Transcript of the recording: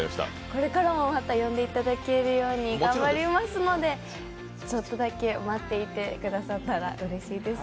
これからもまた、呼んでいただけるように頑張りますのでちょっとだけ待っていてくださったら、うれしいです。